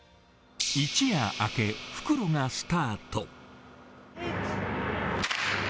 一夜明け、復路がスタート。